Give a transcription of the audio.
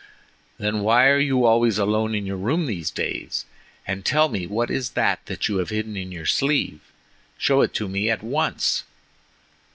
"Then why are you always alone in your room these days? And tell me what is that that you have hidden in your sleeve—show it to me at once."